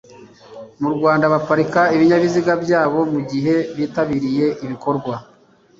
mu rwanda baparika ibinyabiziga byabo mu gihe bitabiriye ibikorwa